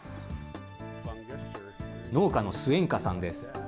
農家のスゥエンカさんです。